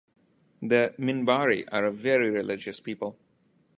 The Minbari are a very religious people.